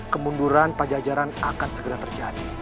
kemunduran pajajaran akan segera terjadi